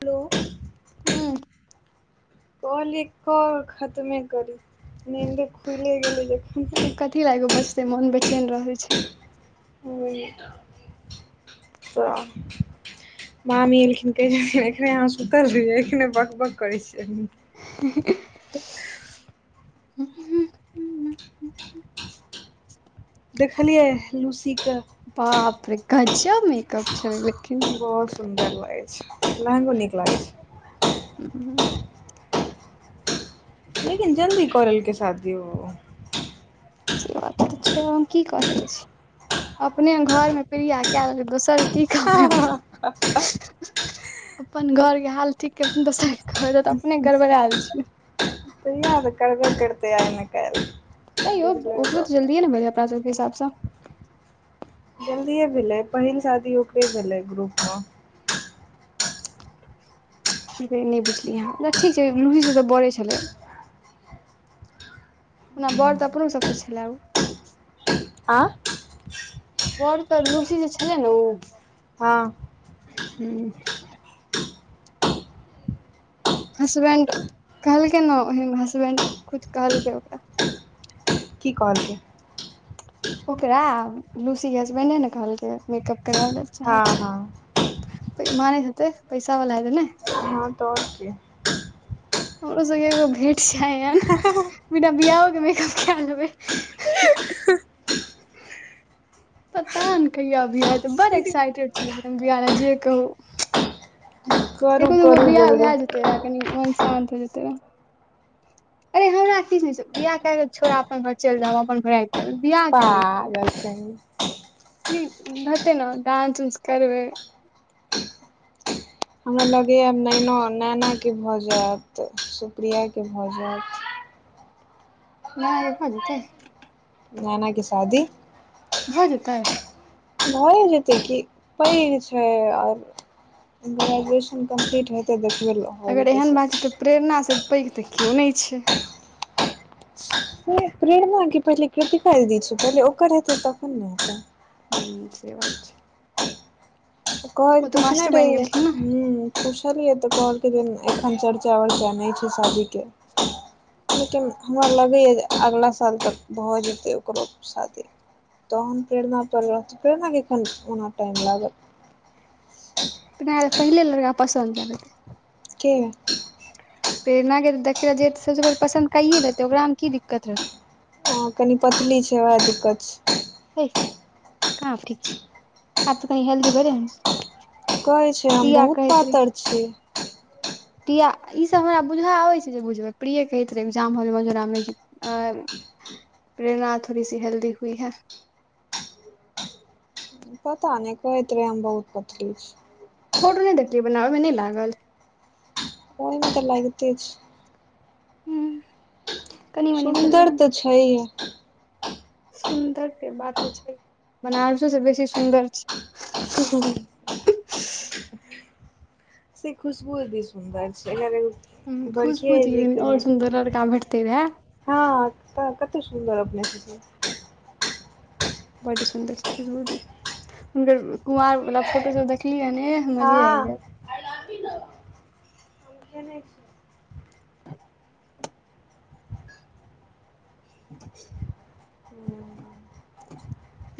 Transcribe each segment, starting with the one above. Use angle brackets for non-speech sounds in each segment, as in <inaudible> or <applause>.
Hello हू कहली क खतमे करी निंदे खुले गेलै जे कथी लए एगो बचतै मोन बेचैन रहै छै तऽ मामी एलखिन कहै एखन अहाँ सुतल रहियै एखन बक बक करै छियै ह देखलियै लूसीके ब प्रका छकअप छल गेलै <unintelligible> <unintelligible> बहुत सुन्दर लागै छै लहंगो नीक लागै छै ह <inaudible> <unintelligible> लेकिन जल्दी करेल कै शादी ओ से बात तऽ छै हम की कऽ सकै छी अपने घर मे प्रिया कए लेल कै दोसर की कहबै हमस अच्छा अपन घर के हाल ठीक कलखिन दोसर कह अपने गड़बड़ा आयल छीयै तयऽ कड़बे कतै या नहि कल तैयो ओकरोऽ जल्दीए न भेलैय अपना सब के हिसाबसँ जल्दिए भेलै पहिल शादी ओकरे भेलै ग्रुपम नहि बुझलियैह ठीक छै लूची से तऽ बड़े छलै ओना बड़ तऽ अपनो सबसँ छलए आँ बर त लूसी जे छलै ने उ हँ हू हसबैंड कहलकै न ह हसबैंड खुद कहलकै ओकरा की कहल कै ओकरा लूसी हसबैंड नैने कहलकै मेकअप कराबै लए चाहै हँ हँ छै मनैत हैत पैसा वला हेतै ने ह तऽ आओर की हमरो सबके एगो भेंट छैय न बिना बियओ के मेकअप क लेबै पता ने कहियाबियाह बड़ की एक्साइटेड छी लेकिन हम जे कहू क करू को दगो करू बियाह जल्दी भए जेते रह कनी मन शान्त भ जतै एकरा अरे हमरा किछु नहि बियाह कए कऽ छोड़ अपन घर चलि जाउ अपन घर आब पागल कही हेतै न डानंस उंस करबै हमरा लगैए नैना नैनाके भऽ जायत सुप्रियाके भऽ जायत नैना भ जेते नैना के शादी भऽ जेते भए जेतय कि पैघ छै आओर ग्रेजुएशन कम्प्लीट हेतै देखबै हो अगर जेतै एहन बात छै सब तऽ प्रेरणासँ पैघ तऽ केओ नहि छै प्रेरणा क पहिले कीर्तिका दिदि छै पहिले ओकर हेतै तखन ने हेतै हूँ से बात छै कह ओ तऽ पूछने नहि मास्टर बनि रहिय गेलखिन ने ह पुछलियै तऽ कहलकै जे एखन चर्चा वर्चा नहि छै शादीके लेकिन हमरा लगैए जे अगिला साल तक भऽ जेतै ओकरो शादी। तहन प्रेरणा पर प्रेरणाके अखन ओना टाइम लागत <unintelligible> प्रेरणा पहिले लरका पसन्द कैय लेते के प्रेरणा के त देखते दैत सोचबय पसन कयए लेतै ओकरा मे की दिक्कत रहतै हँ कनि पतली छै ओएह दिक्कत छै हैय कहाँ ठीक छै आ तो कनि हेल्दी भेलाय कहैत छै हम बहुत रहे पातर छीये प्रिया ई सब हमरा बुझा आबै छै जे बुझबै प्रिय कहैत रहैजाम होै मजुरामे आ प्रेरणा थोड़ी सी हेल्दी हुई है पताऽ नहि कहैत रहै हम बहुत पतली छी फोटो नहि देखलियै बना बैमे नहि लागल ओहि मे तऽ लागिते छै हूँ कनि मनि भेलै सुन्दर हन तऽ छैहे सुन्दर के बात तऽ छेड़ बनारसो से बेसी सुन्दर छै हँ <unintelligible> से खुशबू <unintelligible> अते सुन्दर छै अरे खुशबू दी आओर सुन्दर लड़का भेटतै उहा हँ त कते सुन्दर अपने छथिन्ह बड्ड सुन्दर खुजबू दी हुनकर कुवर वला फोटो सब देखलियै ह हँ <unintelligible>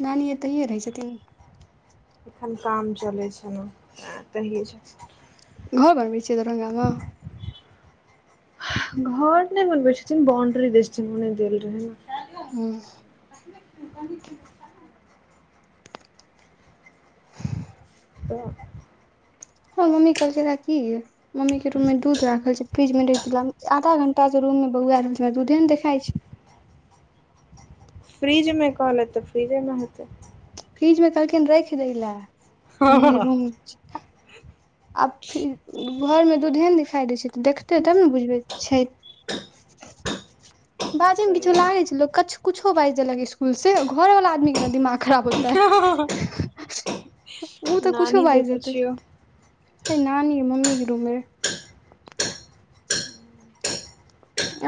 नानी एतैयए रहये छथिन्ह एखन काम चलै छै ने तहि छै घर बनबै छियै दरभंगामे घर नहि बनबैत छथिन्ह बाउंड्री दै छथिन्ह जेहन देल रहये हुँ करय की छै <unintelligible> तऽ हँ मम्मी कहलके रहै की मम्मीक के रूममे दूध राखल छै फ्रिजमे र आधा घंटाँ रूममे बौआ रहल छै हमरा दूधे ने देखाय छै फ्रिजमे कहलत तऽ फ्रिजमे हेतै फ्रिज मे कहलखिन रेख दै लए मम्मी के रूम मे छै आ फिर घरमे दूधे ने दिखाइ दै छै तऽ देखतै तब ने बुझबै छै, <unintelligible> बाजय मे सही किछू लागे छै लोक क कुछो बाजि देलक स्कुल से घरवला आदमी के ने दिमाग खराब होतै, उ तऽ कुछो नानी सँ बाजि देतै पुछियौ नानी मम्मी के रूम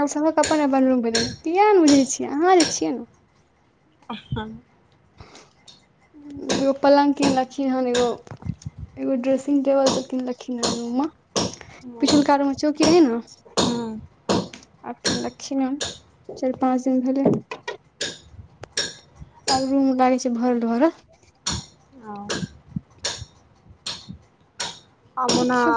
आ सबहक अपन अपन रूम बेलहु किएक नहि बुझै छियै अहाँ जे छियै ने ' ह एगो पलङ्ग किनलखिन्ह हन एगो एगो ड्रेसिंग बल छथिन लखीन रूम हम पिछुल कार आोमे चौकी रहै न आके लखिना चार पाँच दिन भेल आब रूम लागय छै भरल भर आ आबून देखियौ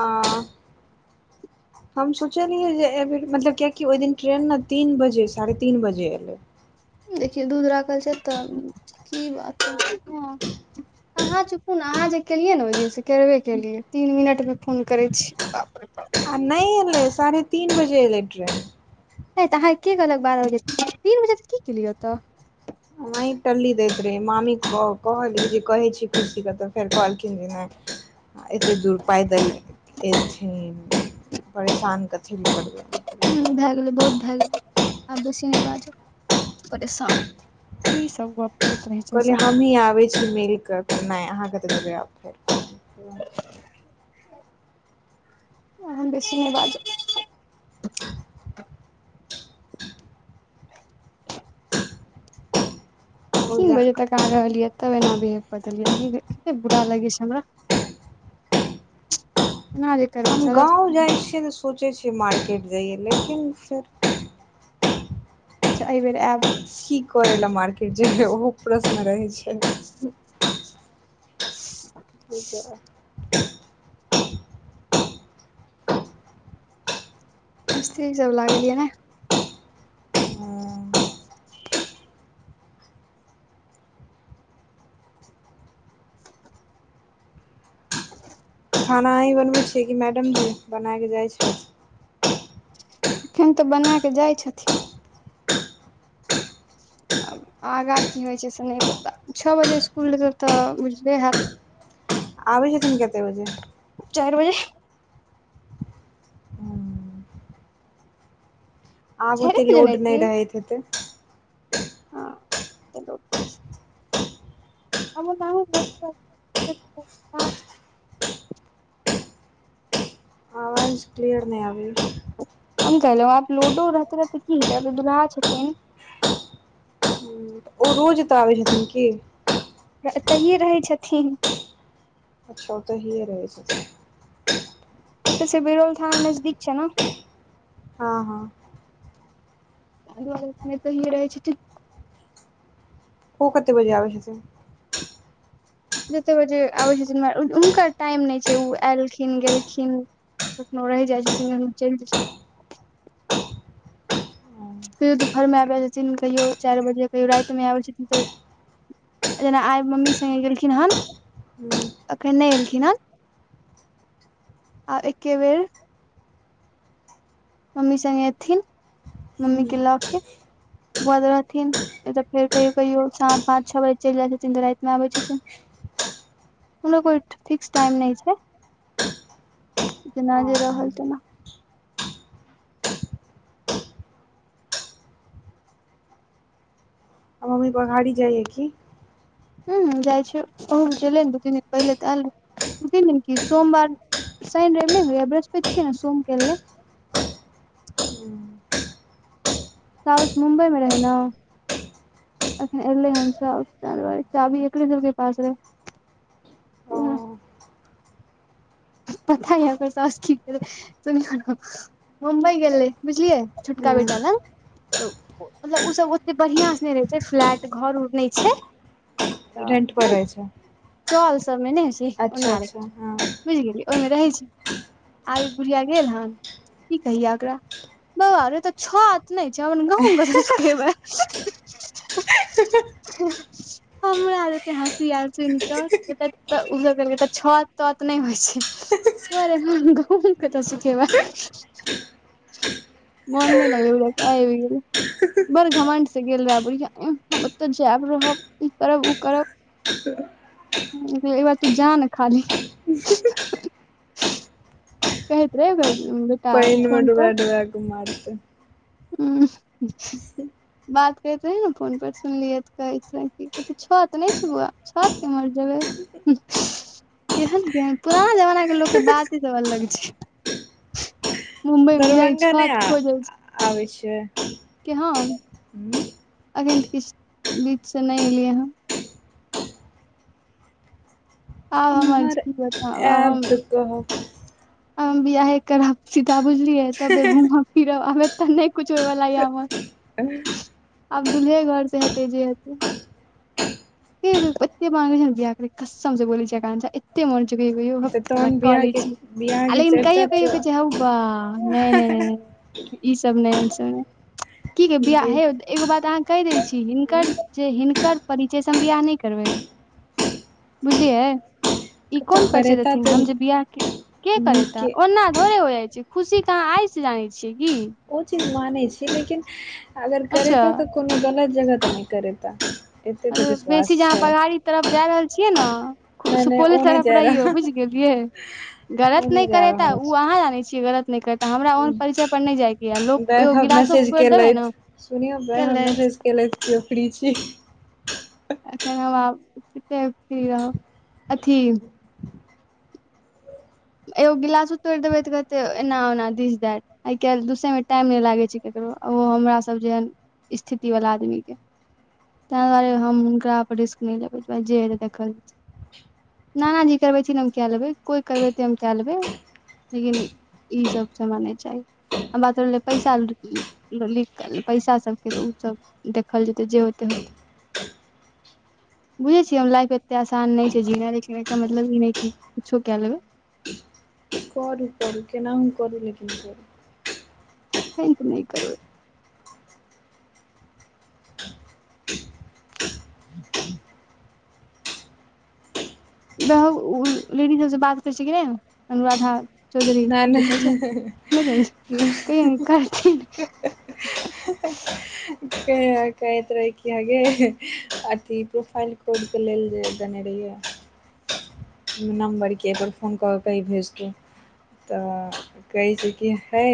हम सोचलियै जे एहिबर मतलब कियाकि ओहि दिन ट्रेन ने तीन बजे साढ़े तीन बजे एल देखियौ दूध राखल छै तऽ की बात ह <inaudible> अहाँ चुपूने अहाँ जे केलियै ने ओहि दिन से करबे केलियै तीन मिनटमे फोन करै छियै ब आ नहि अलै साढ़े तीन बजे अलै ट्र नहि तऽ अहाँके के कहलक बारह बजे तीन बजे तऽ की केलियै ओत वही टल्ली दैत रहै मामीके कहलियै जे कहै छी कीर्ति तऽ फेर कहलखिन जे नह एतेक दूर पाय द अएथिन परेशान कथी लए करब ह भए गेलै बहुत भए गेलै आब बेसी नहि बाज परेशान की सब बा कहलियै हमहीँ आबय छी मिल कऽ नाइ अहाँ कतऽ जेबै आब फे अहां बेसी नै बाज हँ बहुत तीन जन बजे तक आ रहलियै तब एना बिहेव क देलियै अ कते बुरा लगै छै हमर <unintelligible> एना जे करबै हम साला गाँव जाइ छियै तऽ सोचै छियै मार्केट जाइयै लेकिन फे चा एहि बेर ए की करै लए मार्केट जेबै ओहो प्रश्न रहै छ <unintelligible> ठीक मिस्त्री सभ लागलयै न ह खाना अही बनबै छियै कि मैडम भी बनायके जाइ छ अखन तऽ बना कऽ जाइ छथिन् आब आगाँ की होइ छै से नहि पता छओ बजे इसकुल लेतब तऽ बुझले है आबय छलथिन्ह छथिन कते बज चारि बज आब चारि ओते बजे ने लोड नहि रहैत हेत ह हमर मांओं क क्लयर नहि हम कहलहु आब लूडो रहते रहते की दुलहा छथि ओ रोज एतऽ आबै छथिन क तहिये रहै छथि अचछा ओ तऽ ही रहै छ ए तऽ से बिरोल थाना नजदीक छै न हँ ह बौआ लोक में तइयो रहे छथि ओ कते बजे आ छै स जतेक बजे आबै छथिन हुनकर टाइम नहि छै ओ एयलखिन गेलखि ब नोैे जा स च हुं कहियो दुपहरमे आबै छथिन कहियो चारि बजे कहियो रातिमे आबै छथिन त जेना आइ मम्मी संगे गेलखिन हन एखनी नै एलखिन हँ आ एके बेर मम्मी सङ्गे एथिन हुं मम्मी के लऽ के भ रहथिन ए तऽ फेर कहियो कहियो पाँच छह बजे चल जाइ छथिन तऽ रात मे आबै छथिन हमरो कोइ फिक्स टाइम नहि छै जेना ओ जे रहल आ तेना ओ <unintelligible> मम्मी प अहाड़ी जाइए कि ह जाइ छै ओहो बीचै दू तीन दिन पहिले तऽ आल दू तीन दिन कि सोमवार शनि रेव न हो य बृहस्पति छियै ने सोम क एलै साउस मुम्बई मे रहै न अखन एलै हन सौस चाभी एकरे सबके पास ओ रहे पता ह य त की करै सु <unintelligible> <unintelligible> मुंबई गेलै बुझलियै छुटका बेटा हुं लग तऽ ऊ मतलब ओ सब ओते बढ़िआं से नहि रहै छै फ्लैट घर उर नहि छै रेंट पर रहै छै चल सबमे नै है छै अच्छा उना रे अच्छा हँ बुझि गेलियै ओहिमे रहै छी आब ई बुढ़िया गेल हन की कहिया ओकरा बौआ आरे तऽ छहथ नहि छै न गहुम कत सूखबे ह <unintelligible> <unintelligible> ह <unintelligible> <unintelligible> हमरा आ जेते हँसी एल सुन के त छत तत <unintelligible> नहि होइ छै बोरे गहुम क तऽ सुखैबे मोन नहि लागलै आईब गेलै बड़ घमण्ड से गेल रहए दुरिया हम ओतऽ जायब रहब ई करब ऊ करब एक बार तू जा न खाली कइते <unintelligible> <unintelligible> पैन में डूबा डूबा क मारत हु बात कहैत रही ने फोन पर सुनलियैऽ कहैत कह छौ तऽ नहि छै बौआ छत कि मरि जेबै केहन केहन पुराना जमाना के लोक के बात ई सब अलग छै मुम्बइ मे बुझए दरभंगा नहि छत खोजै छै आ आबै छियै के हम हू अखन तऽ किछु बीच से नहि एलियै ह आब हमर उम्हर की बताउ ऐप कह <unintelligible> <unintelligible> अब हम बियाहे करब सीधा बुझलियै तब्बे घुमब हीर तऽ नहि कुछ होयवला य हमर उ <inaudible> <unintelligible> आब दुल्हे घर से हेतै जे हेतै एते बंगे छै ने कस्सम से बोल छै आकांक्षा त म च तऽ कह्त तहन बियाह के कॉलज <unintelligible> बियाह <unintelligible> आ के लेकिन चर्चा कहियो कहियो छै ह बा नहि नहि नहि ई सब ने ई सब ने की गै बियाह चल है एगो बात अहाँ कहि दय छी हिनकर जे हिनकर पर स हम बियाह नै करबै बुझलियै ई कतहु कोन परचिय करेता देथिन तऽ हम जे बियाह के के करेता नीके ओना थोड़े हो जाइ छै खुशीे अहाँ आइसँ जानै छियै की ओ चीज मानै छी लेकिन अगर अच्छा करेता तऽ कोनो गलत जगह तऽ नहि करेता एते तऽ बेसी विश्वास जहाँ छै पगाड़ी तरफ जा रहल छियै ने नहि नहि सुपौले ओ नहि तरफ जा रहियौ रहा बुझलि िय ओ गलत नहि जा करेता रहल ओ अहाँ जानै छियै गलत नहि कर तऽ हमरा ओहन छै परिचय पर नहि जाइके यऽ लोक एगो वैभव गिलासो मैसेज फोड़ि देबै ने केलथ खेलैत कोकरी छ केना फेर अथी एगो गिलासो तोड़ देबै तऽ कहतै एना ओना दिस दे आइ काल्हि दुसयमे टाइम नहि लागै छै ककरो ओ हमरासभ जेह स्थिति वालला आदमी क ताहि दुआरे हम हुनकरा पर रिस्क नहि लेब देख नाना जी करबै छी ने हम कए लेबै कोइ करबै तऽ हम कए लेब लेकिन ई सब समान नै चाह हमरा सब के जे पैसा लिख पैसा सबके त ओस देखल जेतै जे होत होत ह बुझै छियै हम लाइफ एते आसान नै छै जीना लेकिन एकर मतलब ई नै की कुछो कए लेब कर कर केना करल क कर त नहि कर लेडी सबसँ बात करै छै कि अनुराध चौधरी नहि दिकल छै नहि कर क <inaudible> कहैत रहै कि हगे अथी प्रोफाइल कोडके लेल जे देने रहिय नम्बरकेपर फोन कऽ क ह भेज तऽ कहै छै की ह